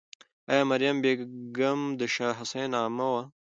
آیا مریم بیګم د شاه حسین عمه وه؟